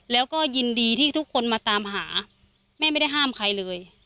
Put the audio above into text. แล้วก็ยินดีที่ทุกคนมาตามหาแม่ไม่ได้ห้ามใครเลย